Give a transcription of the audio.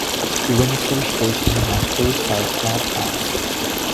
Windsor Station has two side platforms.